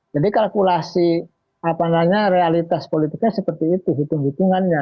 jadi kalkulasi realitas politiknya seperti itu hitung hitungannya